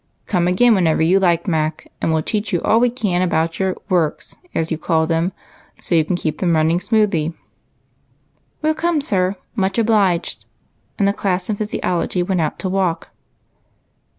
Come again whenever you like, Mac, and we '11 teach you all we can about your * works,' as you call them, so you can keep them running smoothly." " We '11 come, sir, much obliged," and the class in physiology went out to walk.